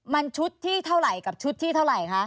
มันชุดที่เท่าไหร่กับชุดที่เท่าไหร่คะ